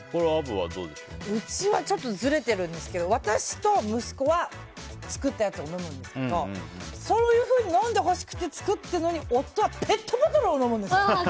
うちはちょっとずれてるんですけど私と息子は作ったやつを飲むんですけどそういうふうに飲んでほしくて作ってるのに夫はペットボトルを飲むんですよ。